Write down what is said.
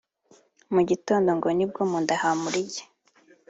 Mu gitondo ngo nibwo mu nda hamuriye